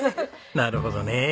なるほどね。